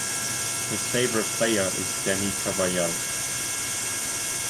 His favorite player is Dani Carvajal.